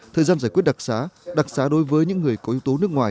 thời gian giải quyết đặc xá đặc xá đối với những người có yếu tố nước ngoài